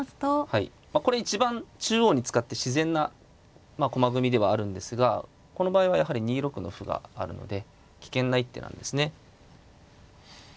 はいこれ一番中央に使って自然な駒組みではあるんですがこの場合はやはり２六の歩があるので危険な一手なんですね。